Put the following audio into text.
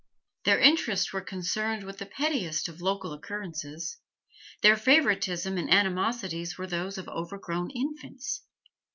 Their interests were concerned with the pettiest of local occurrences; their favouritisms and animosities were those of overgrown infants.